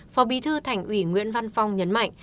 phó bí thư thành ủy nguyễn văn phong nhấn mạnh